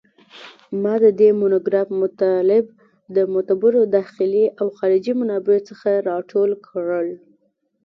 ما د دې مونوګراف مطالب د معتبرو داخلي او خارجي منابعو څخه راټول کړل